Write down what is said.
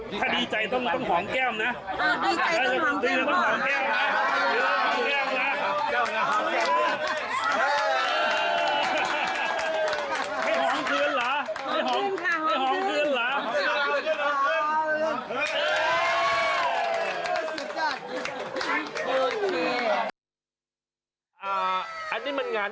ถ้าดีใจต้องหอมแก้มนะ